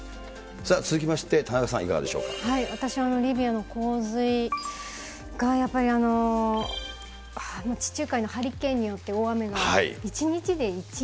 さあ、続きまして、田中さん、私、リビアの洪水がやっぱり地中海のハリケーンによって、大雨が１日